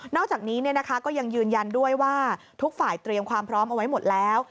อกจากนี้ก็ยังยืนยันด้วยว่าทุกฝ่ายเตรียมความพร้อมเอาไว้หมดแล้ว